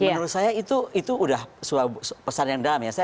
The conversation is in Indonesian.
menurut saya itu sudah pesan yang dalam ya